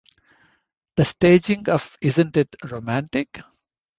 The staging of Isn't It Romantic?